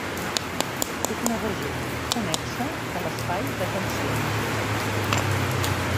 És una regió connexa de l'espai de tensions.